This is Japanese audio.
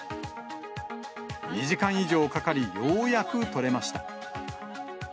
２時間以上かかり、ようやく取れました。